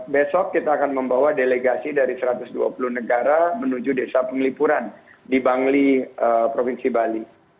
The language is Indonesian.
besok kita akan membawa delegasi dari satu ratus dua puluh negara menuju desa penglipuran di bangli provinsi bali